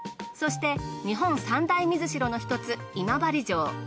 そして日本三大水城の一つ今治城。